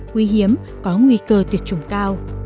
quý hiếm có nguy cơ tuyệt chủng cao